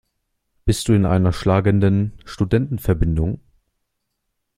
Bist du in einer schlagenden Studentenverbindung?